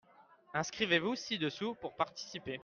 inscrivez-vous ci-dessous pour participer.